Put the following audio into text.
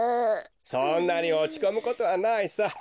そんなにおちこむことはないさ。